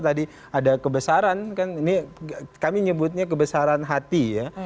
tadi ada kebesaran kan ini kami nyebutnya kebesaran hati ya